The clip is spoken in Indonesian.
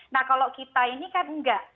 nah kalau kita ini kan enggak